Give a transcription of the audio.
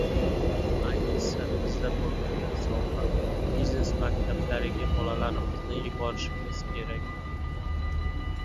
Ayniqsa bizda bo‘lmagan soha — biznes maktablariga bolalarimizni yuborishimiz kerak.